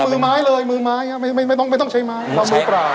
มือไม้เลยมือไม้ไม่ต้องใช้ไม้ทำมือเปล่า